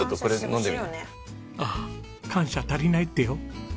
あっ感謝足りないってよ。